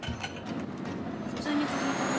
普通に続いてるよ。